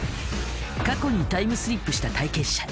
過去にタイムスリップした体験者。